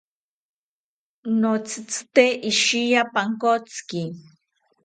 Notzitzite ishiya pankotzi